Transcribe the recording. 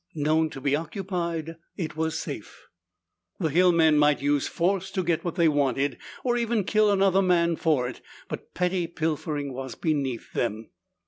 Known to be occupied, it was safe. The hill men might use force to get what they wanted, or even kill another man for it, but petty pilfering was beneath them.